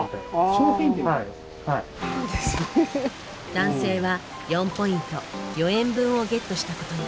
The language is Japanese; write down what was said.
男性は４ポイント４円分をゲットしたことに。